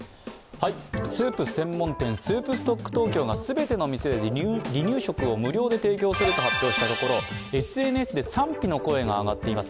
スープ専門店、スープストックトーキョーが全ての店で離乳食を無料で提供すると発表したところＳＮＳで賛否の声が上がっています。